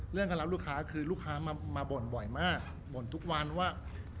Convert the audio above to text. การรับลูกค้าคือลูกค้ามาบ่นบ่อยมากบ่นทุกวันว่า